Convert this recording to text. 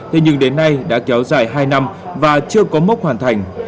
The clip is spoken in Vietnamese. thế nhưng đến nay đã kéo dài hai năm và chưa có mốc hoàn thành